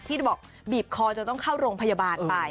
ที่บอกบีบคอจนต้องเข้าโรงพยาบาลไป